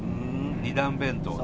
２段弁当だ。